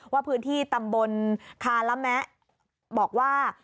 ว่าพื้นที่ตำบลคาระแมะบอกว่า